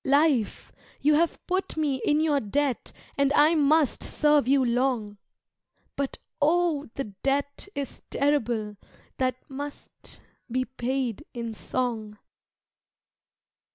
Life, you have put me in your debt And I must serve you long But oh, the debt is terrible That must be paid in song.